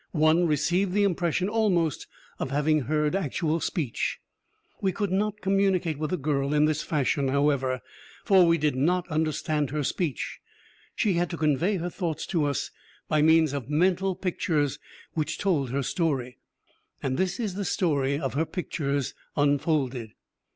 One received the impression, almost, of having heard actual speech. We could not communicate with the girl in this fashion, however, for we did not understand her speech. She had to convey her thoughts to us by means of mental pictures which told her story. And this is the story of her pictures unfolded.